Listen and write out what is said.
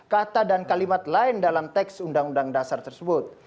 kata dan kalimat lain dalam teks undang undang dasar tersebut